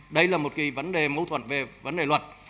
đây là một vấn đề mâu thuận về vấn đề luật